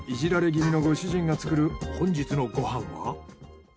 気味のご主人が作る本日のご飯は。